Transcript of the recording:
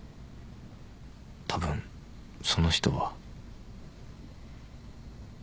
たぶんその人は。